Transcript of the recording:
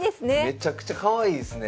めちゃくちゃかわいいですね。